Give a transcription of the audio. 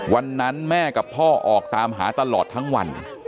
วันนั้นแม่กับพ่อออกตามหาตลอดทั้งวัน